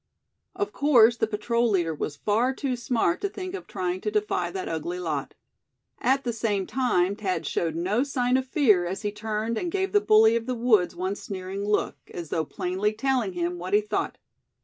Of course, the patrol leader was far too smart to think of trying to defy that ugly lot. At the same time Thad showed no sign of fear as he turned and gave the bully of the woods one sneering look, as though plainly telling him what he thought.